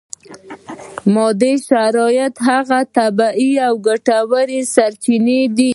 مادي شرایط هغه طبیعي او ګټورې سرچینې دي.